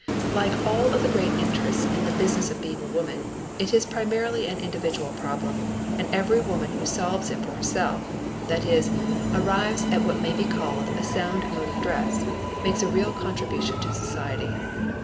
Like all of the great interests in the Business of Being a Woman, it is primarily an individual problem, and every woman who solves it for herself, that is, arrives at what may be called a sound mode of dress, makes a real contribution to society.